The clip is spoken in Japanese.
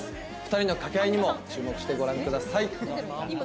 ２人の掛け合いにも注目してご覧ください。